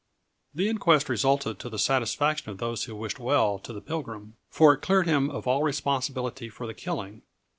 The inquest resulted to the satisfaction of those who wished well to the Pilgrim, for it cleared him of all responsibility for the killing.